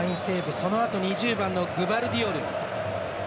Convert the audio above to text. そのあと２０番のグバルディオル。